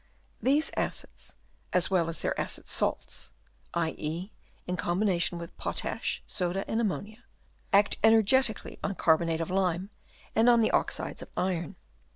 These acids, as well as their acid salts (i.e., in combination with potash, soda, and ammonia), act energetically on s 244 DISINTEGRATION Chap. V. carbonate of lime and on the oxides of iron.